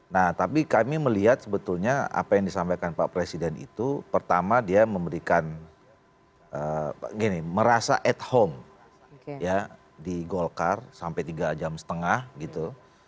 nah tapi kami melihat sebetulnya apa yang disampaikan pak presiden itu pertama dia memberikan gini merasa at home ya di golkar sampai tiga jam setengah gitu